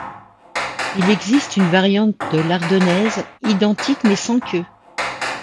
Il existe une variante de l'ardennaise, identique mais sans queue.